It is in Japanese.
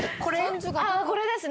これですね。